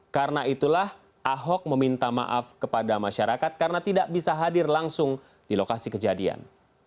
karena itulah ahok meminta maaf kepada masyarakat karena tidak bisa hadir langsung di lokasi kejadian